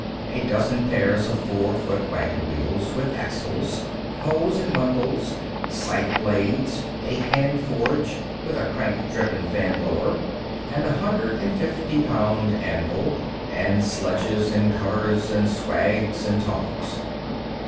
A dozen pairs of four foot wagon wheels, with axles. Hoes, in bundles. Scythe blades. A hand forge, with a crank driven fan blower, and a hundred and fifty pound anvil, and sledges and cutters and swages and tongs.